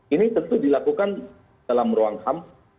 ini tentu dilakukan dalam ruang ham